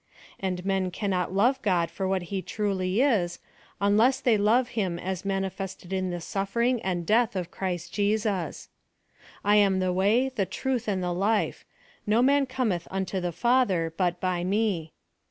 And men cannot love God for what he truly is, unless they love Him as manifested in the suffering and death of Christ Jesus. '• I am the way, the truth, and the life ; no man cometh unto the Father, but by me."